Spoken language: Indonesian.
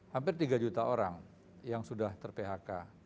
hampir tiga juta orang yang sudah ter phk